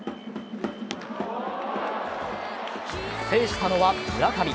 制したのは村上。